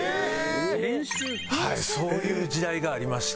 そういう時代がありまして。